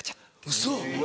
ウソ。